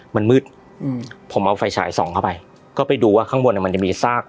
มันมืดอืมผมเอาไฟฉายส่องเข้าไปก็ไปดูว่าข้างบนมันจะมีซาก